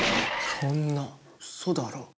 そんなうそだろ。